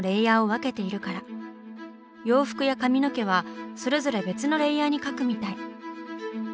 洋服や髪の毛はそれぞれ別のレイヤーに描くみたい。